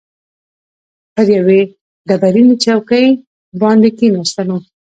پر یوې ډبرینې چوکۍ باندې کښېناستو.